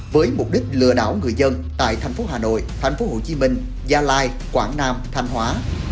với mục đích lừa đảo người dân tại thành phố hà nội thành phố hồ chí minh gia lai quảng nam thanh hóa